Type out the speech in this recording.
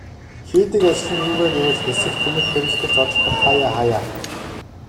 Хийдэг ажил нь юу вэ гэвэл хэсэх, тэнэх хэрэлдэх, зодолдох хааяа хааяа.